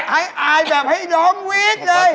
หลบมาคุมดูดิ